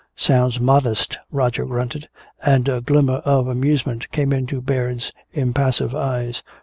"Sounds modest," Roger grunted. And a glimmer of amusement came into Baird's impassive eyes.